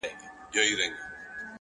پوهه د پرمختګ نه ختمېدونکې سرچینه ده.